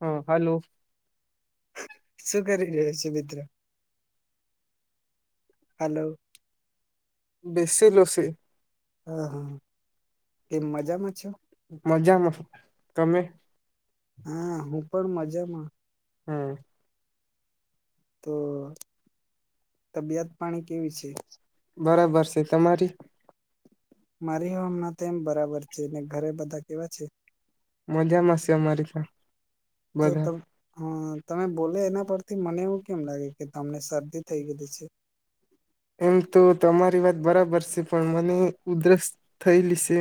હ, હાલો. શું કરી રહ્યો છે? મિત્ર, હાલો આ હા, કેમ મજામાં છો? મજામાં, તમે? હા હું પણ મજામાં! હા આ તો, તબિયત પાણી કેવી છે? બરાબર છે. તમારી? મારી હો અમણા તો એમ બરાબર છે. ઘરે બધા કેવા છે? મજામાં સે, અમારી પન તો ત હ તમે, બોલે, એના પરથી મને એવું કેમ લાગે! કે- કે, તમને શરદી થઈ ગયેલી છે? એમ તો તમારી વાત બરાબર સે. પણ મને ઉધરસ થયેલી સે.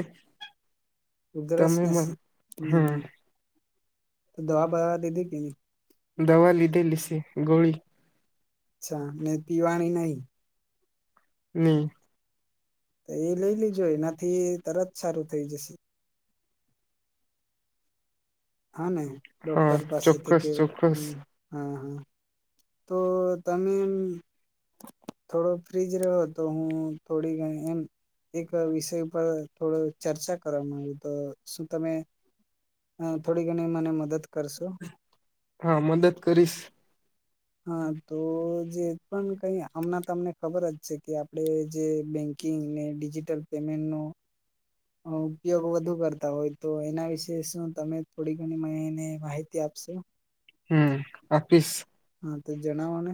તમે, મ હ તો, દવા બવા લીધે કેની? દવા લીધેલી સે. ગોળી. અચ્છા, ને પીવાણી નહી. નઈ. એ, લઈ લીજો, એનાથી તરત સારું થઈ જશે. હા, ને ડોક્ટર પાસેથી કે- હા, હા તો તમે એમ- થોડો, ફ્રી જ રહો તો હું થોડી ઘણી એમ, એક, અ વિષય ઉપર થોડો ચર્ચા કરવા માગું તો, શું તમે- અહ થોડી ઘણી મને મદદ કરશો? હા મદદ કરીશ. હા. તો જે પણ કંઈ આ હમના તમને ખબર જ છે કે, આપણે જે બેન્કિંગ ને ડિજિટલ પેમેન્ટનું [inaudible] અહ ઉપયોગ વધુ કરતા હોય. તો એના વિશે શું તમે થોડી ઘણી [unintelligible] માહિતી આપશો? હમ્મ, આપીશ. હા તો જણાવો ને.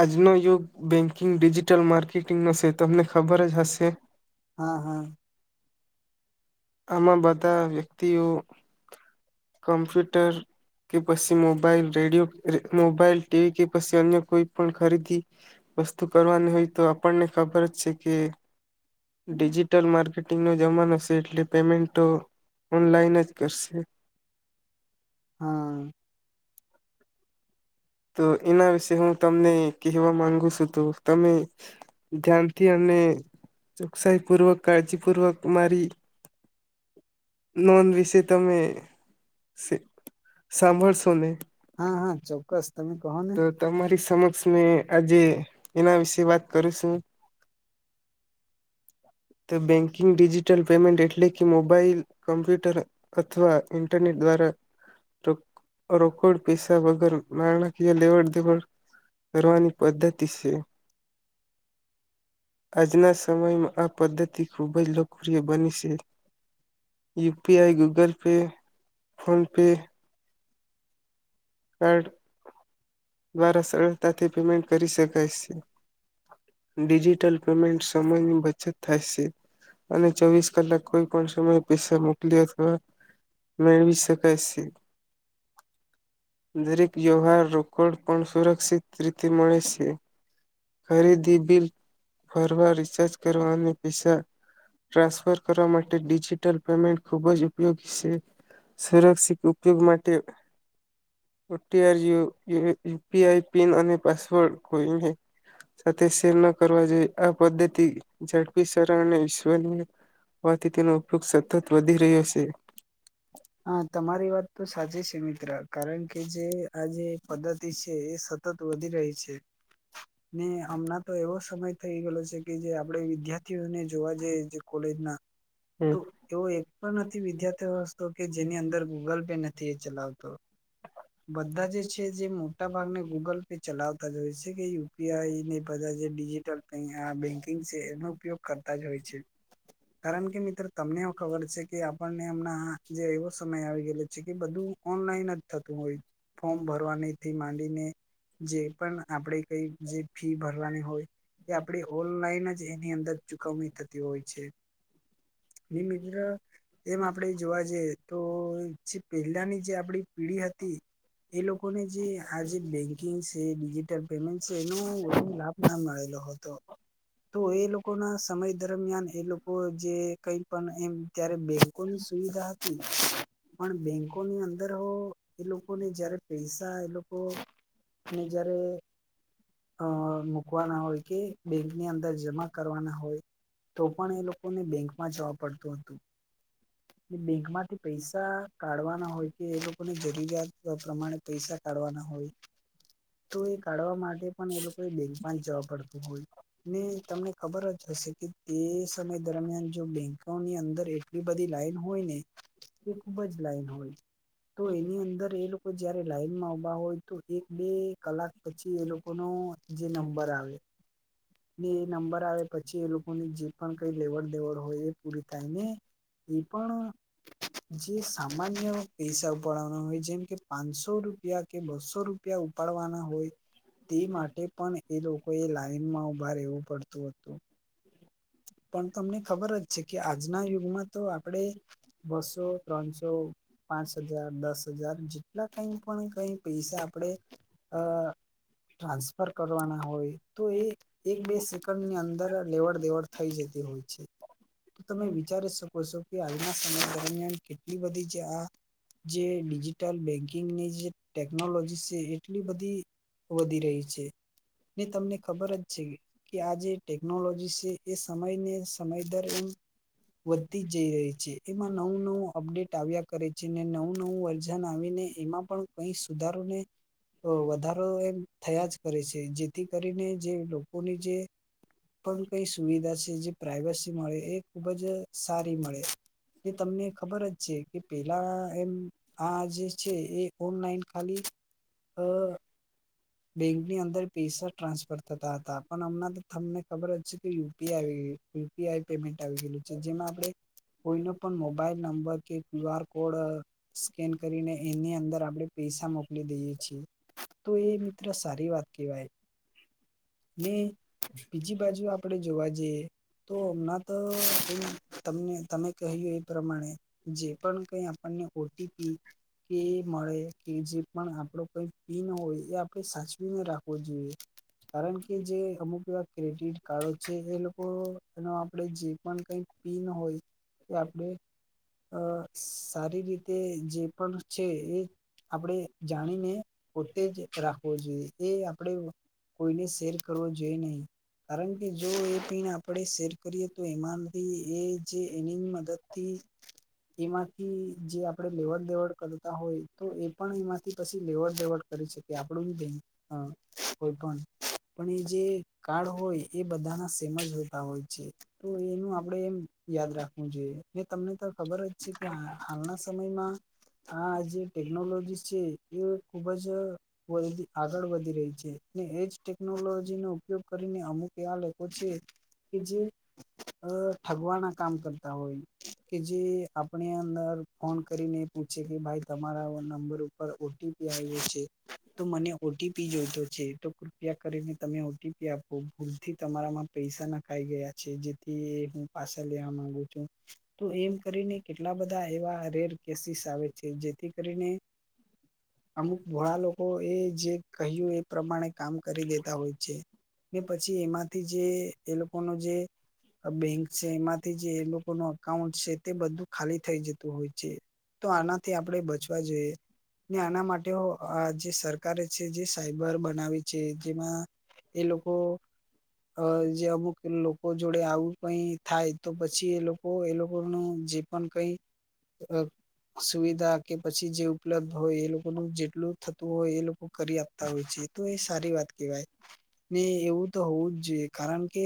આજનો યુગ બેંકિંગ ડિજિટલ માર્કેટિંગનો સે. તમને ખબર જ હશે. હા, હા. આમાં બધા વ્યક્તિઓ કમ્પ્યુટર કે પસી mobile, radio, mobile, T V કે પસી અન્ય કોઈ પણ ખરીદી વસ્તુ કરવાની હોય તો આપણને ખબર જ સે કે ડિજિટલ માર્કેટિંગ નો જમાનો સે એટલે પેમેન્ટ તો ઓનલાઈન જ કરશે. હા. તો એના વિશે હું તમને કહેવા માંગુ સુ તો તમે ધ્યાનથી અને ચોક્કચાઈપૂર્વક, કાળજીપૂર્વક મારી નોંધ વિશે તમે, શીખ સાંભળશો ને. ચોક્કસ. તમે કહો ને! તમારી સમક્ષ મેં આજે એના વિશે વાત કરીશું. તો બેન્કિંગ ડિજિટલ પેમેન્ટ એટલે કે મોબાઈલ, કમ્પ્યુટર અથવા ઇન્ટરનેટ દ્વારા રોક આ રોકડ પૈસા વગર નાણાકીય લેવડ-દેવડ કરવાની પદ્ધતિ સે. આજના સમયમાં આપ પદ્ધતિ ખુબ જ લોકપ્રિય બની સે. U P I, Google Pay, phone pay card દ્વારા સરળતાથી પેમેન્ટ કરી શકાય સે. ડિજિટલ પેમેન્ટ સમયની બચત થાય સે. અને ચોવીસ કલાક કોઈપણ સમયે પૈસા મોકલી અથવા મેળવી શકાય સે. દરેક વ્યવહાર રોકડ પર સુરક્ષિત રીતે મળે સે. ખરીદી, બિલ, ફરવા, રિચાર્જ કરવા અને પૈસા ટ્રાન્સફર કરવા માટે ડિજિટલ પેમેન્ટ ખૂબ જ ઉપયોગી સે. સુરક્ષિત ઉપયોગ માટે ઓ ટી આર you [unintelligible] U P I PIN અને પાસવર્ડ કોઈને તો તે શેર ના કરવા જોઈએ. આ પદ્ધતિ ઝડપી, સરળ અને વિશ્વનીય હોવાથી તેનો ઉપયોગ સતત વધી રહ્યો સે. હા તમારી વાત તો સાચી સે મિત્ર. કારણ કે જે આ જે પદ્ધતિ સે એ સત તત વધી રહી છે. ને હમણાં તો એવો સમય થઈ ગયેલો છે કે જે આપણે વિદ્યાર્થીઓને જ જોવા જઈએ જે કોલેજ ના, તો એવો એક પણ નથી [unintelligible] તો કે જેની અંદર ગૂગલ પે નથી એ ચલાવતો. બધા જે છે, જે મોટા ભાગને ગૂગલ પે ચલાવતા જ હોય છે, કે યુ યુ પી આઈને બધા જે ડિજિટલ બેન્કિંગ છે, એનો ઉપયોગ કરતા જ હોય છે. કારણકે, મિત્ર તમને એ ખબર છે, કે આપણને અમના જે એવો સમય આવી ગયેલો છે, કે બધું ઓનલાઈન જ થતું હોય. ફોર્મ ભરવાનીથી માંડીને, જે પણ આપડે કંઈ જે ફી ભરવાની હોય. એ આપડી ઓનલાઈન જ એની અંદર ચુકવણી થતી હોય છે. એ મિત્ર, એમ આપડેજ જોવા જઈએ તો જે પેલાની જે આપડી પીઢી હતી. એ લોકોને જે આજે બેન્કિંગ છે, ડિજિટલ પેમેન્ટ છે, એનો લાભના મળેલો હોત. તો, તો એ લોકોના સમય દરમિયાન એ લોકો જે કંઈ, પણ એમ ત્યારે બેંકોની સુવિધા હતી પણ બેંકોની અંદર, અંદર અહ એ લોકોને જયારે પૈસાએ લોકો ને જયારે, અહ મૂકવાના હોય કે બેંકની અંદર જમા કરવાના હોય તો પણ એ લોકો, લોકોને બેંકમાં જવા પડતું હતું. તે બેંકમાંથી પૈસા કાઢવાના હોય કે એ લોકોને જરૂરિયાત પ્રમાણે પૈસા કાઢવાના હોય. તોએ કાઢવા માટે પણ એ લોકોએ બેંકમાં જ જવા પડતું હોય ને તમને ખબરજ હશે કે તે સમય દરમિયાન જો બેંકોની અંદર એટલી બધી લાઈન હોય ને, એ ખૂબજ લાઈન હોય. તો એની અંદર એ લોકો જયારે લાઈનમાં ઉભા હોય, તો એક બે કલાક પછી એ લોકોનો જે નંબર આવે. ને એ નંબર આવે પછી એ લોકોની જે પણ કંઈ લેવડ દેવડ હોય એ પૂરી થાયને, એ પણ જે સામાન્ય પૈસા ઉપાડવાના હોય જેમ કે, પાંચસો રૂપિયા કે બસો રૂપિયા ઉપાડવાના હોય, તે માટે પણ એ લોકોએ લાઈનમાં ઉભા રહેવું પડતું હતું. પણ તમને ખબર જ છે, કે આજના યુગમાં તો આપડે બસો, ત્રણસો, પાંચ હજાર, દસ હજાર જેટલા કંઈ પણ કઈ પૈસા આપણેે અહ ટ્રાન્સફર કરવાના હોય તો એ એક બે સેકન્ડની અંદર લેવડ- દેવડ. થઈ જતી હોય છે. તો તમે વિચારી શકો સો કે આજના સમય દરમિયાન કેટલી બધી જે આ જે ડિજિટલ બેન્કિંગની જે ટેકનોલોજી સે એટલી બધી વધી રહી છે ને તમને ખબર છે કે આ જેે ટેકનોલોજી સે એ સમયને સમય દર એમ વધતી જઈ રહી છે, એમાં નવું નવું અપડેટ આવ્યા કરે છે અને નવું નવું વર્ઝન આવીને એમાં પણ કઈ સુધારો ને વધારો એમ થયા જ કરે છે જેથી કરીને જે લોકોની જે પણ કઈ સુવિધા સે જે પ્રઇવસી મળે એ ખૂબ જ સારી મળે. કે તમને ખબરજ છે કે પેલા એમ આ જે છે એ ઓનલાઈન ખાલી અહ બેંકની અંદર પૈસા ટ્રાન્સફર થતા હતા પણ હમણા તો તમને ખબરજ છે કે યુ પી આઈ આવી ગયુ યુ પી આઈ પેમેન્ટ આવી ગયલું છે જેમાં આપડે કોઈના પણ મોબાઈલ નંબર કે ક્યુ આર કોડ સ્કેન કરીને એની અંદર આપડે પૈસા મોકલી દઈએ છીએ તો એ સારી વાત કેવાય. ને બીજી બાજુ આપડે જોવા જઈએ. તો હમણાં તો એમ તમને તમે કહ્યું એ પ્રમાણે. જે પણ કંય આપણને ઓટીપી કે મળે કે જે પણ આપડો કઈ પીન હોય એ એ સાચવીને રાખવો જોઈએ. કારણ કે જે અમુક એવા ક્રેડિટ કાર્ડો છે એ લોકો એનો આપણે જે પણ કઈક પીન હોય એ આપડે અ સારી રીતે જે પણ છે એ આપડે જાણીને પોતે જ રાખવો જોઈએ એ આપડે કોઈને સેર કરવો જોઈએ નહી. કારણ કે જો એ પીન આપડે શેર કરીએ તો એમાંનથી એ જે એની મદદથી એમાંથી જે આપડે લેવડ દેવડ કરતા તો એ પણ પછી લેવડ દેવડ કરે છે. કે આપડું બી બેંક અ કોઈ પણ પણ એ જે કાડ હોય, એ બધાના સેમ જ જોતા હોય છે તો એનું આપણેે એમ યાદ રાખવું જોઈએ. ને તમને તો ખબર જ છે કે હાલના સમયમાં આ જે ટેકનોલોજી છે એ ખુબ જ [unintelligible] આગળ વધી રહી છે ને એજ ટેકનોલોજી નો ઉપયોગ કરીને અમુક એવા લોકો છે કે જે અ ઠગવા ના કામ કરતા હોય. કે જે આપણે અંદર ફોન કરીને પૂછે કે ભાઈ તમારા નંબર ઉપર ઓટીપી એ આયવો છે. તો મને ઓટીપી જોઈતો છે તો કૃપિયા કરીને તમે ઓટીપી આપો. ભૂલથી તમારામાં પૈસા નખાઈ ગયા છે જેથી હું એ પાસા લેવા માંગુ છું. તો એમ કરીને કેટલા બધા એવા રેર કેસીસ આવે જેથી કરીને અમુક ભોળા લોકો એ જે કહ્યું એ પ્રમાણે કામ કરી દેતા હોય છે. ને પછી એમાંથી જે એ લોકોનો જે બેંક છે એમાંથી જે એ લોકોનું અકાઉન્ટ છે, તે બધું ખાલી થઈ જતું હોય છે. તો આનાથી આપડે બચવા જોઈએ ને આના માટે ઓ આ જે સરકારે છે જે સાયબર બનાવે છે જેમાં એ લોકો અ જે અમુક લોકો જોડે આવું કઈ થાય તો પછી એ લોક કો એ લોકોનુ જે પણ કંઈ [inaudible] સુવિધા કે પછી જે ઉપલબ્ધ હોય એ લોકોનું જેટલું થતું હોય એ લોકો કરી આપતા હોય છે તો એ સારી વાત કેહેવાય. ને એવું તો હોવું જ જોઈએ કારણ કે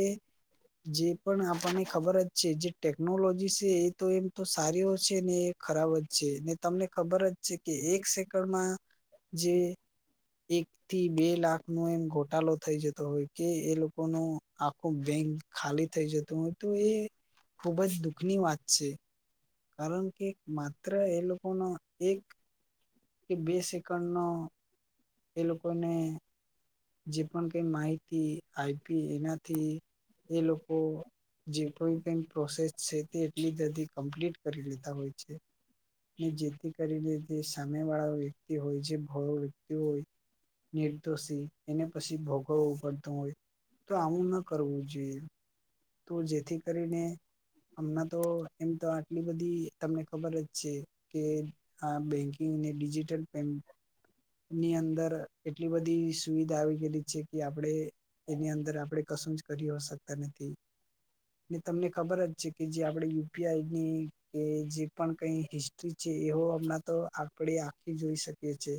જે પણ આપણને ખબર જ છે. જે ટેકનોલોજી છે એ તો એમ તો સારીઓ છે ને ખરાબ જ છે ને તમને ખબર જ છે કે એક સેકન્ડમાં જે એક થી બે લાખ નો એમ ઘોટાલો થઈ જતો હોય કે એ લોકોનો આખું બેંક ખાલી થઈ જતું હોય તો એ ખુબ જ દુઃખ ની વાત છે. કારણ કે માત્ર એ લોકોનો એક કે બે સેકન્ડ નો એ લોકો ને જે પણ કઈ માહિતી આયપી, એનાથી એ લોકો જે કોઈ કઈ પ્રોસેસ છે તે એટલી જદી કમ્પ્લીટ કરી લેતા હોય છે. ને જેથી કરીને તે સામે વાળા વ્યક્તિ હોય જે [unintelligible] વ્યક્તિ હોય નિર્દોષી એને પસી ભોગવવું પડતું હોય તો આવું ન કરવું જોઈએ. તો જેથી કરીને હમના તો એમ તો આટલી બધી તમને ખબર જ છે, કે આ બેંકિંગ ને ડિજિટલ પેમ ની અંદર એટલી બધી સુવિધા આવી ગેલી છે કે આપડે એની અંદર આપણેે કશું જ કરી અ શકતા નથી. ને તમને ખબર જ છે કે જે આપડે યુપીઆઈ ની કે જે પણ કઈ હિસ્ટ્રી છે એહો હમણાં તો આપણે આખી જોઈ શકીએ છે,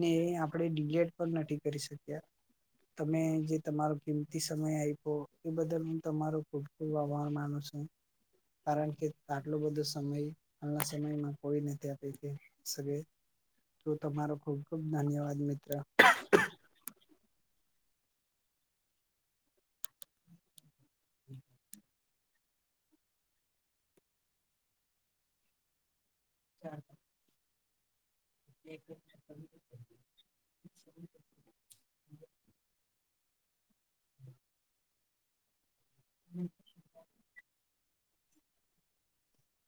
ને આપણે ડિલેટ પણ નથી કરી શક્યા. તમે જે તમારો કિમતી સમય આયપો એ બદલ તમારો ખૂબ ખૂબ આભાર માનું છું કારણ કે આટલો બધો સમય હાલના સમયમાં કોઈ નથી આપે કે [unintelligible] તો તમારો ખુબ ખુબ ધન્યવાદ મિત્ર. અચ્છા. એક જ હમ.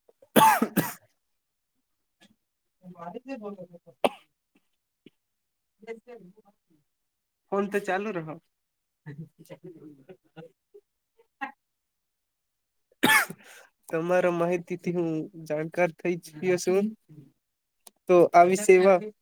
[inaudible] [inaudible] ફોન તો ચાલુ. [unintelligible] [inaudible] આ છે. તમારા માહિતી થી હું જાણકાર થઇ ચૂક્યો શું. તો આવી સેવા